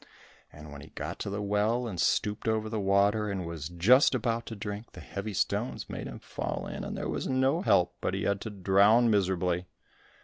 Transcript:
And when he got to the well and stooped over the water and was just about to drink, the heavy stones made him fall in, and there was no help, but he had to drown miserably.